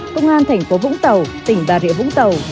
công an tp vũng tàu tỉnh bà rịa vũng tàu